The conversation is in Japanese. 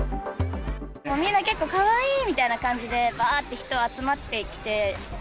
みんな、結構かわいいみたいな感じで、ばーって人集まってきて。